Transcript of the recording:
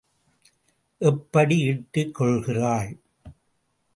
எப்படி இட்டுக் கொள்கிறாள்?